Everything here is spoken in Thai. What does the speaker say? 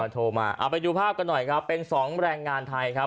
โทรมาเอาไปดูภาพกันหน่อยครับเป็น๒แรงงานไทยครับ